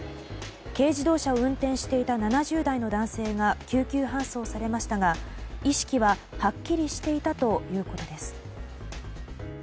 軽自動車を運転していた７０代の男性が救急搬送されましたが意識は、はっきりしていたということです。